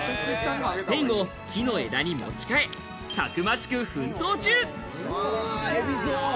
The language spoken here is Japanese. ペンを木の枝に持ち替え、たくましく奮闘中。